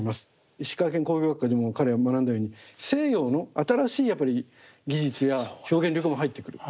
石川県工業学校でも彼が学んだように西洋の新しいやっぱり技術や表現力も入ってくる。